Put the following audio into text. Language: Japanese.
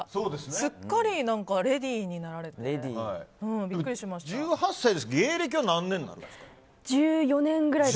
すっかりレディーになられて１８歳ですが芸歴何年ぐらい？